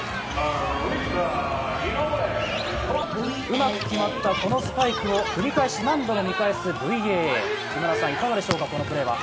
うまく決まったこのスパイクを繰り返し何度も見返すＶＡＡ、木村さん、いかがでしょうか、このプレーは。